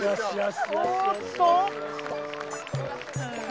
おっと。